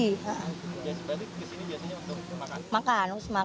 biasanya ke sini untuk makan